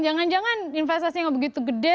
jangan jangan investasinya gak begitu gede